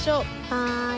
はい！